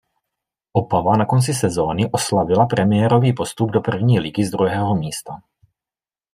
Opava na konci sezóny oslavila premiérový postup do první ligy z druhého místa.